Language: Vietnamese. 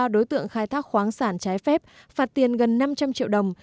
sáu mươi ba đối tượng khai thác khoáng sản trái phép phạt tiền gần năm trăm linh triệu đồng